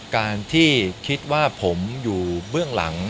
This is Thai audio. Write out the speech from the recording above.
การที่คิดว่าผมอยู่เบื้องหลัง